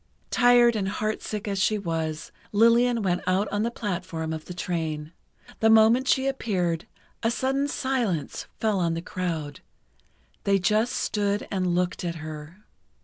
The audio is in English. Tired and heartsick as she was, Lillian went out on the platform of the train. The moment she appeared, a sudden silence fell on the crowd—they just stood and looked at her.